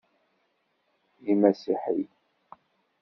D imasiḥiyen.